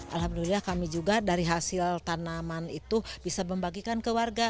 alhamdulillah kami juga dari hasil tanaman itu bisa membagikan ke warga